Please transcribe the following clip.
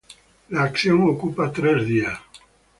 La acción ocupa tres días.